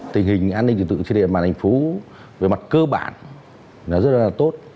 tình hình an ninh tự tự trên đền mạng hành phú về mặt cơ bản rất là tốt